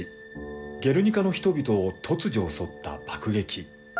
ゲルニカの人々を突如襲った爆撃。